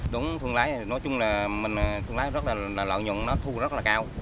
đúng thuận lái nói chung là mình thuận lái rất là lợi nhuận nó thu rất là cao